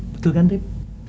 betul kan arief